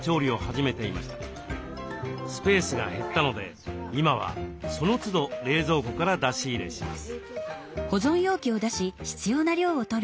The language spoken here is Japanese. スペースが減ったので今はそのつど冷蔵庫から出し入れします。